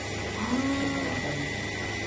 そこのアタリが。